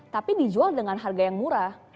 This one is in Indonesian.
tapi dijual dengan harga yang murah